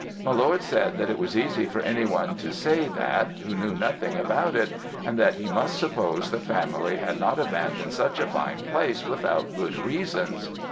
My lord said that it was easy for any one to say that who knew nothing about it, and that he must suppose the family had not abandoned such a fine place without good reasons.